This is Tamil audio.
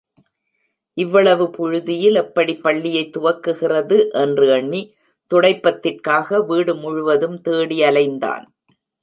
இவ்வளவு புழுதியில் எப்படி பள்ளியைத் துவக்குகிறது என்று எண்ணி, துடைப்பத்திற்காக, வீடு முழுவதும் தேடி அலைந்தான்.